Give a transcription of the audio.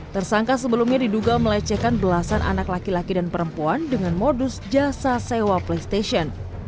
tersangka sebelumnya diduga melecehkan belasan anak laki laki dan perempuan dengan modus jasa sewa playstation